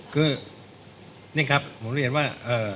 คือนี่ครับผมเรียนว่า